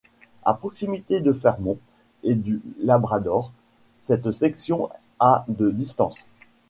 À proximité de Fermont et du Labrador, cette section a de distance.